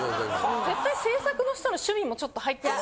絶対制作の人の趣味もちょっと入ってる。